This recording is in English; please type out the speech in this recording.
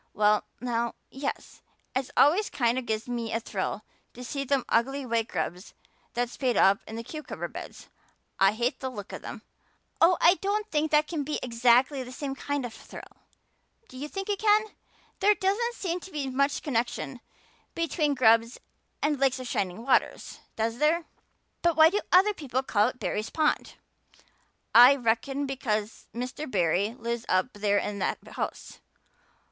"Well now, yes. It always kind of gives me a thrill to see them ugly white grubs that spade up in the cucumber beds. I hate the look of them." "Oh, I don't think that can be exactly the same kind of a thrill. Do you think it can? There doesn't seem to be much connection between grubs and lakes of shining waters, does there? But why do other people call it Barry's pond?" "I reckon because Mr. Barry lives up there in that house.